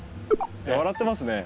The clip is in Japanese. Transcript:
笑ってますね。